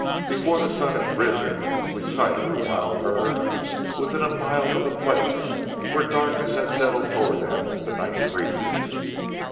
Before the sun had risen, we sighted the wild herd within a mile of the place where darkness had settled over them the night previous.